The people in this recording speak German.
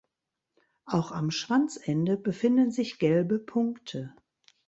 Auch am Schwanzende befinden sich gelbe Punkte.